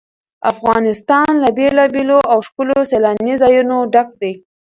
افغانستان له بېلابېلو او ښکلو سیلاني ځایونو ډک دی.